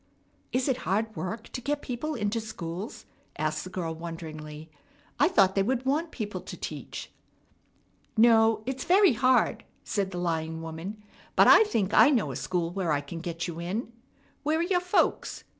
"Is it hard work to get people into schools?" asked the girl wonderingly. "I thought they would want people to teach." "No, it's very hard," said the lying woman; "but I think I know a school where I can get you in. Where are your folks?